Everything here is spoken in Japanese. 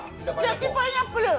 焼きパイナップル！